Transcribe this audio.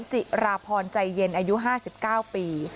จิราพรใจเย็นอายุ๕๙ปี